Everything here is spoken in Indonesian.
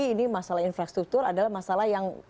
ini masalah infrastruktur adalah masalah yang